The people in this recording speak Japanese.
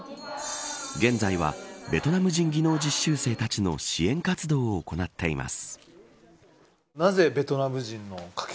現在はベトナム人技能実習生たちの支援活動を行っています。